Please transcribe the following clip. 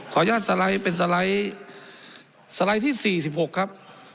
อนุญาตสไลด์เป็นสไลด์สไลด์ที่๔๖ครับ